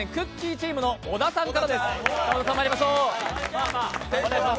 チームの小田さんからです。